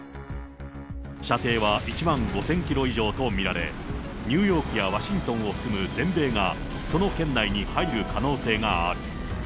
射程は１万５０００キロ以上と見られ、ニューヨークやワシントンを含む全米がその圏内に入る可能性がある。